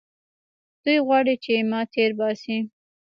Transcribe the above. دوى غواړي چې ما تېر باسي.